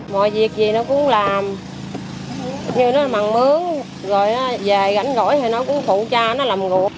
mọi việc gì nó cũng làm như nó mặn mướn rồi nó về gánh gõi thì nó cũng phụ cha nó làm gũa